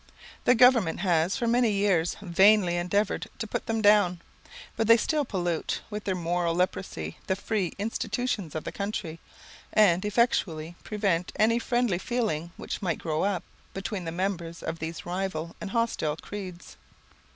The government has for many years vainly endeavoured to put them down, but they still pollute with their moral leprosy the free institutions of the country, and effectually prevent any friendly feeling which might grow up between the members of these rival and hostile creeds.